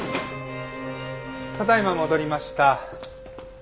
ただいま戻りました。